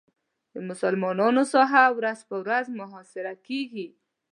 د مسلمانانو ساحه ورځ په ورځ محاصره کېږي.